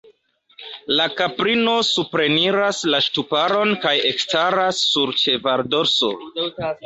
La kaprino supreniras la ŝtuparon kaj ekstaras sur la ĉevaldorso.